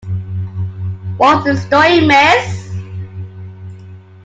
What's the story, miss?